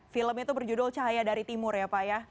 film itu berjudul cahaya dari timur ya pak ya